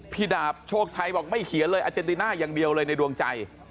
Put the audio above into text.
ดาบโชคชัยบอกไม่เขียนเลยอาเจนติน่าอย่างเดียวเลยในดวงใจ